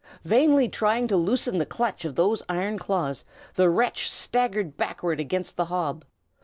Vainly trying to loosen the clutch of those iron claws, the wretch staggered backward against the hob.